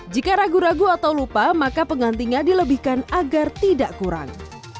jika ragu ragu atau lupa maka pengantinnya dilebihkan agar tidak kurang